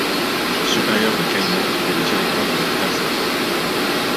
Le supérieur de Caïman et le directeur de l'hôpital Central.